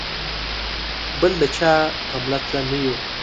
بل د چا په مله تله نه یو.